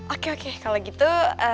oke oke kalau gitu